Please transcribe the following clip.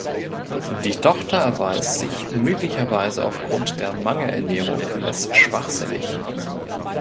Die Tochter erweist sich, möglicherweise aufgrund der Mangelernährung, als schwachsinnig.